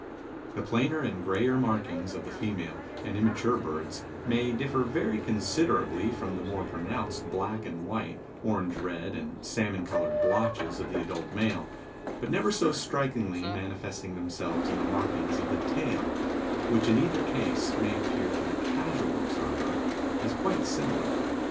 The plainer and grayer markings of the female and immature birds may differ very considerably from the more pronounced black and white, orange red and salmon colored blotches of the adult male, but never so strikingly manifesting themselves in the markings of the tail which in either case may appear to the casual observer as quite similar.